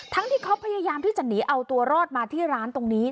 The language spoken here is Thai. ที่เขาพยายามที่จะหนีเอาตัวรอดมาที่ร้านตรงนี้